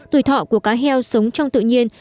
tuổi thọ của cá heo sống trong tự nhiên